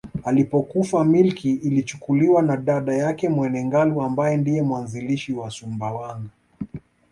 Alipokufa milki ilichukuliwa na dada yake Mwene Ngalu ambaye ndiye mwanzilishi wa Sumbawanga